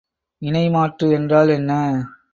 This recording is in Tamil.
இணைமாற்று என்றால் என்ன?